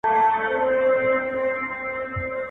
چي وخت د ښکار سي تازي غولو ونيسي